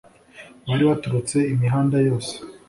bari baturutse imihanda yose